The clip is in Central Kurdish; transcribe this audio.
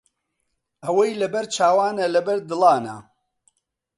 ئەوەی لەبەر چاوانە، لەبەر دڵانە